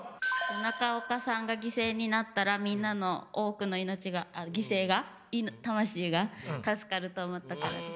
中岡さんが犠牲になったらみんなの多くの命が犠牲が魂が助かると思ったからです。